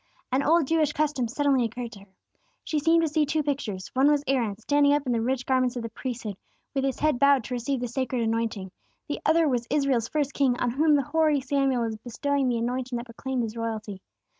An old Jewish custom suddenly occurred to her. She seemed to see two pictures: one was Aaron, standing up in the rich garments of the priesthood, with his head bowed to receive the sacred anointing; the other was Israel's first king, on whom the hoary Samuel was bestowing the anointing that proclaimed his royalty.